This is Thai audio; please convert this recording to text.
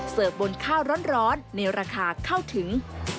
เสิร์ฟบนข้าวร้อนในราคาเข้าถึง